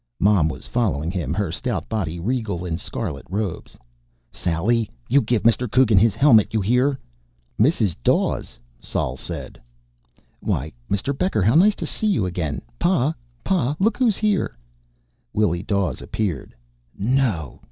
Mom was following him, her stout body regal in scarlet robes. "Sally! You give Sir Coogan his helmet! You hear?" "Mrs. Dawes!" Sol said. "Why, Mr. Becker! How nice to see you again! Pa! Pa! Look who's here!" Willie Dawes appeared. _No!